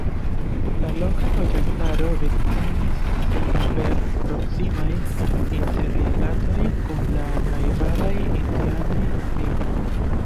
La loka loĝantaro vivtenis sin per proksimaj interrilatoj kun la najbaraj indianaj triboj.